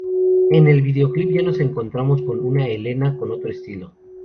En el videoclip ya nos encontramos con una Helena con otro estilo.